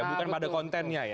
bukan pada kontennya ya